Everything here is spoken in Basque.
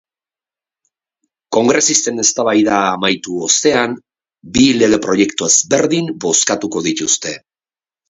Kongresisten eztabaida amaitu ostean bi lege proiektu ezberdin bozkatuko dituzte.